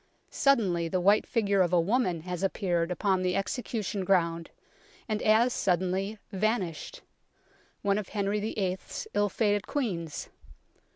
Suddenly the white figure of a woman has appeared upon the execution ground, and as suddenly vanished one of Henry VIII. 's ill fated Queens.